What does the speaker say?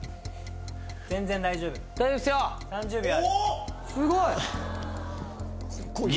・すごい。